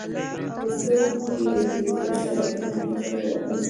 په سترګو کې یې یوې ترخې راتلونکې چغې وهلې.